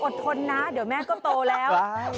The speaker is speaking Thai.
ทนนะเดี๋ยวแม่ก็โตแล้ว